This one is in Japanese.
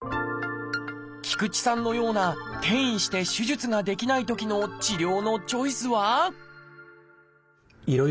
菊池さんのような転移して手術ができないときの治療のチョイスは？